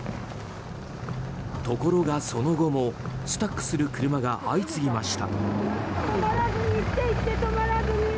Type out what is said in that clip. ところが、その後もスタックする車が相次ぎました。